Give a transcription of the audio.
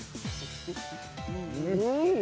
うん。